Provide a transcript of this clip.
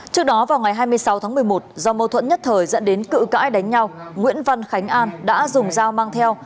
trước đó vào ngày hai mươi sáu tháng một mươi một do mâu thuẫn nhất thời dẫn đến cự cãi đánh nhau nguyễn văn khánh an đã dùng dao mang theo